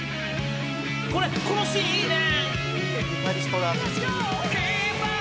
「これこのシーンいいね！」